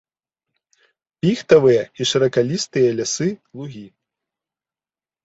Піхтавыя і шыракалістыя лясы, лугі.